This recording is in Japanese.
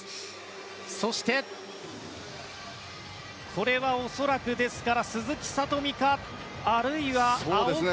そして、これは恐らく鈴木聡美かあるいは青木。